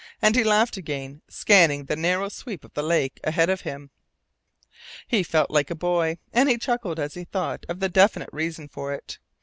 And then he laughed again, scanning the narrowing sweep of the lake ahead of him. He felt like a boy, and he chuckled as he thought of the definite reason for it.